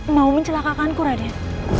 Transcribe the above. mau mencelakakanku raden